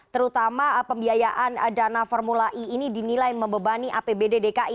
terutama pembiayaan dana formula e ini dinilai membebani apbd dki